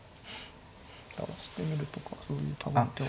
垂らしてみるとかそういう多分手を。